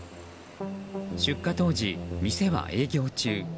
出火当時、店は営業中。